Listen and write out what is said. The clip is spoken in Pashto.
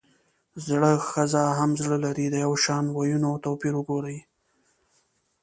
زړه ښځه هم زړۀ لري ؛ د يوشان ويونو توپير وګورئ!